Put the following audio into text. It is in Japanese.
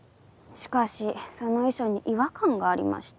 しかしその遺書に違和感がありました。